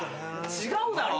違うだろ。